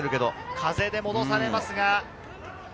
風で戻されます。